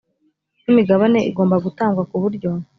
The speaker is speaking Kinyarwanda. n imigabane igomba gutangwa ku buryo